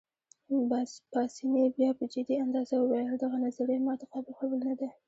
پاسیني بیا په جدي انداز وویل: دغه نظریه ما ته قابل قبول نه ده.